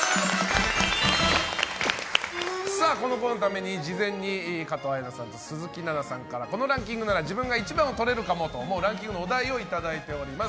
このコーナーのために事前に加藤綾菜さんと鈴木奈々さんからこのランキングなら自分が１番をとれるかもと思うランキングのお題をいただいております。